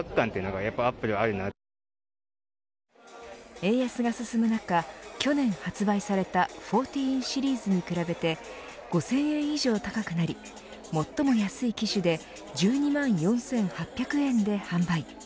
円安が進む中、去年発売された１４シリーズに比べて５０００円以上高くなり最も安い機種で１２万４８００円で販売。